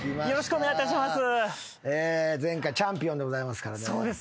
お願いいたします。